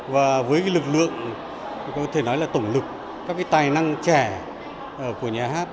và với lực lượng tổng lực các tài năng trẻ của nhà hát